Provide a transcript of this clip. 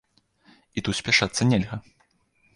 І тут спяшацца нельга.